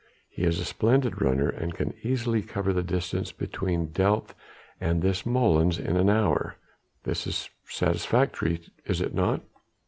He is a splendid runner, and can easily cover the distance between Delft and this molens in an hour. That is satisfactory is it not?"